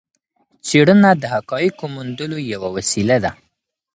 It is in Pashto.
څېړنه د حقایقو موندلو یوه وسيله ده.